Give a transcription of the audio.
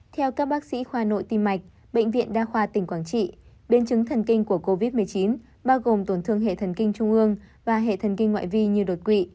theo các bác sĩ khoa nội tim mạch bệnh viện đa khoa tỉnh quảng trị biến chứng thần kinh của covid một mươi chín bao gồm tổn thương hệ thần kinh trung ương và hệ thần kinh ngoại vi như đột quỵ